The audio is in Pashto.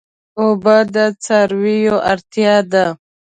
اوبه د څارویو اړتیا ده.